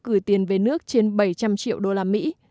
gửi tiền về nước trên bảy trăm linh triệu đô la mỹ